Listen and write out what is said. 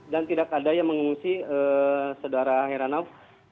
dan tidak ada yang mengungsi sedara heranau